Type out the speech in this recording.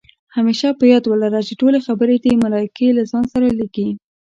همېشه په یاد ولره، چې ټولې خبرې دې ملائکې له ځان سره لیکي